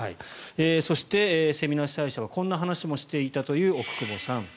そして、セミナー主催者はこんな話もしていたという奥窪さん。